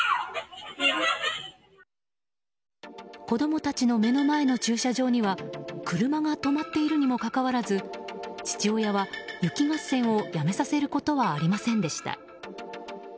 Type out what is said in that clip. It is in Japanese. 子供たちの目の前の駐車場には車が止まっているにもかかわらず父親は雪合戦をやめさせることはありませんでした。